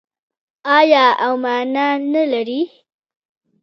آیا او مانا نلري؟